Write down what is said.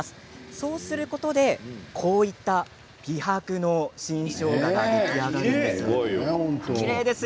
そうすることでこういった美白の新しょうがが出来上がるんです。